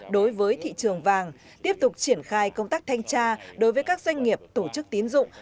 đối với thị trường vàng tiếp tục triển khai công tác thanh tra đối với các doanh nghiệp tổ chức tín dụng